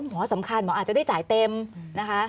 สำคัญหมออาจจะได้จ่ายเต็มนะคะ